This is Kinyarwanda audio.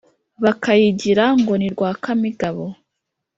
Bakayigira ngo ni Rwakamigabo